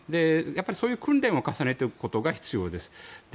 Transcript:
やっぱり、そういう訓練を重ねておくことが必要です。